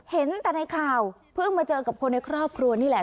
เห็นแต่ในข่าวเพิ่งมาเจอกับคนในครอบครัวนี่แหละ